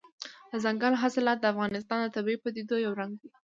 دځنګل حاصلات د افغانستان د طبیعي پدیدو یو رنګ دی.